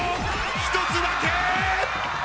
１つだけ！